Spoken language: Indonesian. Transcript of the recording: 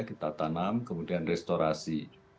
kita tanam kemudian restorasi